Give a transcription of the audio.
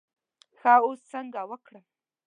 ښه اوس څنګه وکړم.